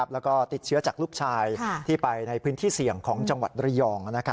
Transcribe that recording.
แล้วก็ติดเชื้อจากลูกชายที่ไปในพื้นที่เสี่ยงของจังหวัดระยอง